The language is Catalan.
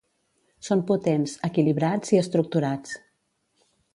Són potents, equilibrats i estructurats.